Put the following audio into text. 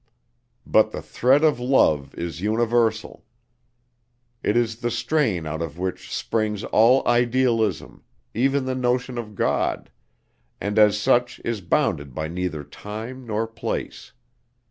But the thread of love is universal. It is the strain out of which springs all idealism even the notion of God and as such is bounded by neither time nor place.